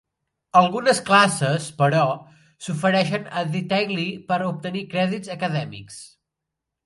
Algunes classes, però, s'ofereixen a The Daily per obtenir crèdits acadèmics.